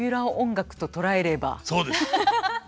そうです。